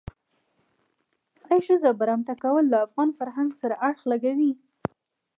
آیا ښځه برمته کول له افغان فرهنګ سره اړخ لګوي.